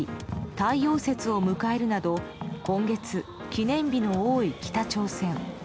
太陽節を迎えるなど今月、記念日の多い北朝鮮。